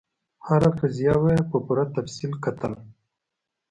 هره قضیه به یې په پوره تفصیل کتل.